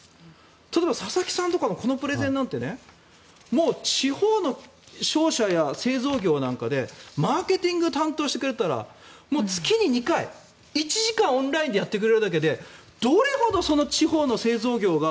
例えば佐々木さんのこのプレゼンなんてもう地方の商社や製造業なんかでマーケティングを担当してくれたら、月に２回１時間オンラインでやってくれるだけでいやいや。